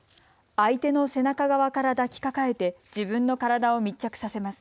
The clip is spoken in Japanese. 相手の背中側から抱きかかえて自分の体を密着させます。